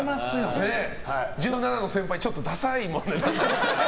１７の先輩ちょっとダサいもんね。